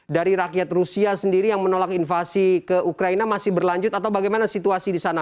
dari rakyat rusia sendiri yang menolak invasi ke ukraina masih berlanjut atau bagaimana situasi di sana